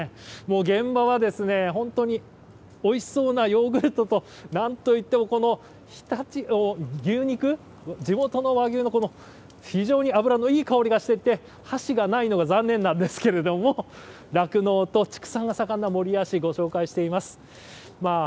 現場は、本当においしそうなヨーグルトと、なんといってもこの牛肉の、地元の和牛の非常に脂のいい香りがしていて箸がないのが残念なんですけれども酪農と畜産が盛んな守谷市を紹介しています。